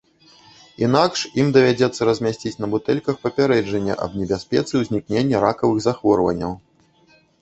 Інакш ім давядзецца размясціць на бутэльках папярэджання аб небяспецы ўзнікнення ракавых захворванняў.